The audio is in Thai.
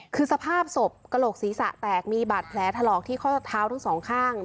คือสภาพศพกระโหลกศีรษะแตกมีบาดแผลถลอกที่ข้อเท้าทั้งสองข้าง